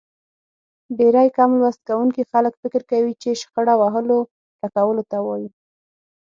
ډېری کم لوست کوونکي خلک فکر کوي چې شخړه وهلو ټکولو ته وايي.